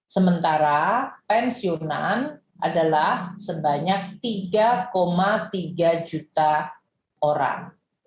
sementara pensiunan adalah sebanyak tiga tiga juta orang